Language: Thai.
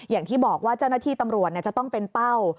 อย่างที่บอกว่าเจ้าหน้าที่ตำรวจจะต้องเป็นเป้า